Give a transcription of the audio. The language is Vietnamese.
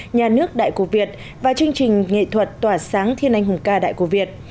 nhà nước đại cổ việt và chương trình nghệ thuật tỏa sáng thiên anh hùng ca đại cổ việt